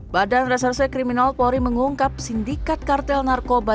badan reserse kriminal polri mengungkap sindikat kartel narkoba